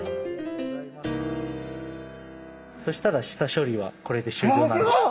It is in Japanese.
そしたら下処理はこれで終了になります。